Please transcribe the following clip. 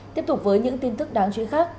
tiếp tục với những tin tức đáng chú ý khác